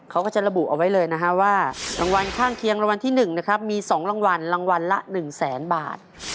เขาก็จะระบุเอาไว้เลยนะฮะว่ารางวัลข้างเคียงรางวัลที่๑นะครับมี๒รางวัลรางวัลละ๑แสนบาท